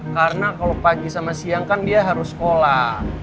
karena kalo pagi sama siang kan dia harus sekolah